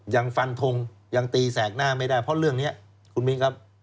ยังฟันทงยังตีแสกหน้าไม่ได้เพราะเรื่องนี้คุณมินครับ